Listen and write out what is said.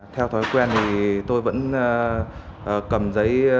theo thói quen thì tôi vẫn cầm giấy